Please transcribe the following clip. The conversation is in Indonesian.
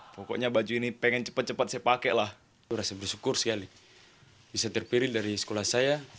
pakaian upacara yang dibuat pdi ini adalah pakaian yang terpilih dari sekolah saya